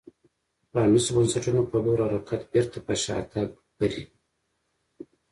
پرانیستو بنسټونو په لور حرکت بېرته پر شا تګ لري